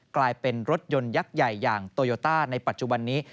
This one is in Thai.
กลายเป็นรถยนต์ยักษ์ใหญ่อย่างโตโยต้าในปัจจุบันนี้